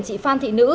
chị phan thị nữ